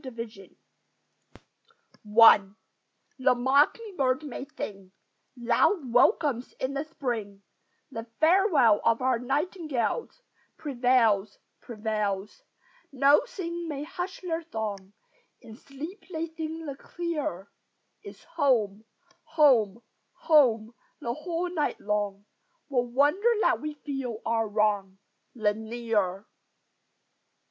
THE MINORCAN I The mocking bird may sing Loud welcomes in the Spring; The farewell of our nightingales Prevails, prevails! No thing may hush their song: In sleep they sing the clearer It's "home, home, home," the whole night long What wonder that we feel our wrong The nearer!